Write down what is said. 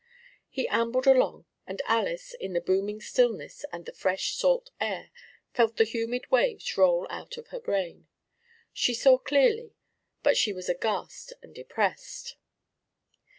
He ambled along, and Alys, in the booming stillness and the fresh salt air, felt the humid waves roll out of her brain. She saw clearly, but she was aghast and depressed.